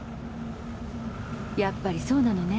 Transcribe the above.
やっぱりそうなのね。